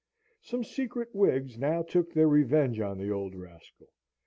Some secret Whigs now took their revenge on the old rascal.